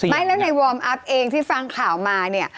ไม่แล้วในวอร์มอัพเองที่ฟังข่าวมาเนี่ย